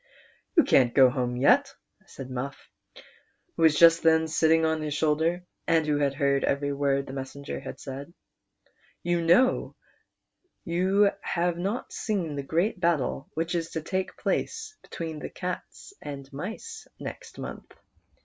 "You can't go home yet," said Muff, who was just then sitting on his shoulder, and who had heard every word the messenger had said ;" you know you have not seen the great battle which is to take place between the cats and mice next month.